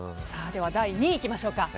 では第２位にいきましょうか。